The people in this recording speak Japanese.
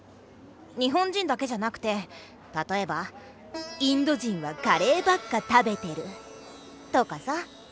日本人だけじゃなくてたとえばインド人はカレーばっか食べてるとかさ。